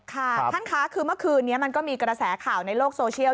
ค่ะท่านคะคือเมื่อคืนนี้มันก็มีกระแสข่าวในโลกโซเชียล